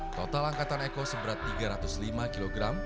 total angkatan eko seberat tiga ratus lima kg